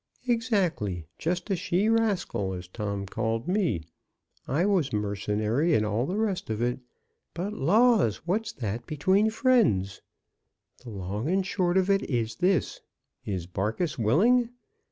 "Exactly; just a she raskil, as Tom called me. I was mercenary and all the rest of it. But, laws! what's that between friends? The long and short of it is this; is Barkis willing?